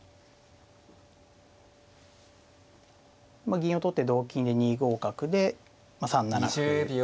まあ銀を取って同金で２五角で３七歩。